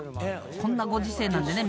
こんなご時世なんでね